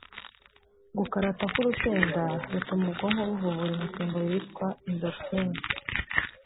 gukarata ku rusenda rutuma ubwonko buvubura imisemburo yitwa “endorphine”